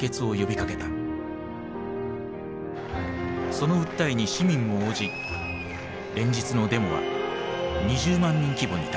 その訴えに市民も応じ連日のデモは２０万人規模に達した。